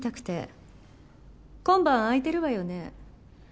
今晩空いてるわよね？